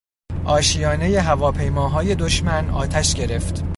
اشیانهٔ هواپیماهای دشمن آتش گرفت.